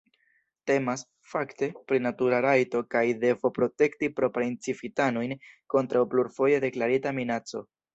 Temas, fakte, pri natura rajto kaj devo protekti proprajn civitanojn kontraŭ plurfoje deklarita minaco.